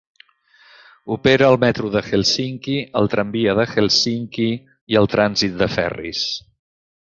Opera el metro de Helsinki, el tramvia de Helsinki i el trànsit de ferris.